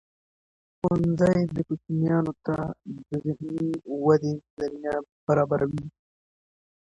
ښوونځی د کوچنیانو ته د ذهني ودې زمینه برابروي.